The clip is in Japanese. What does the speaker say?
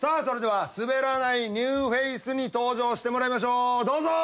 それではすべらないニューフェイスに登場してもらいましょう。